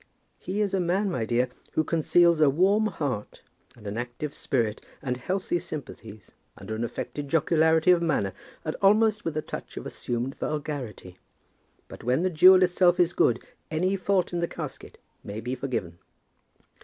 "He is a man, my dear, who conceals a warm heart, and an active spirit, and healthy sympathies, under an affected jocularity of manner, and almost with a touch of assumed vulgarity. But when the jewel itself is good, any fault in the casket may be forgiven."